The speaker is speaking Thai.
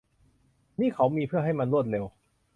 นี่เขามีเพื่อให้มันรวดเร็ว